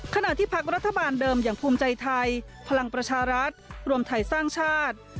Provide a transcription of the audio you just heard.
ขณะที่พักรัฐบาลเดิมอย่างภูมิใจไทยพลังประชารัฐรวมไทยสร้างชาติ